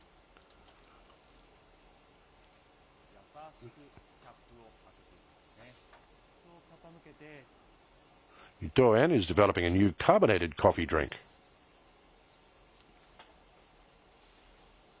優しくキャップを開けていきますね。